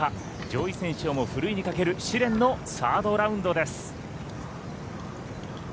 上位選手をもふるいにかける試練のサードラウンドです。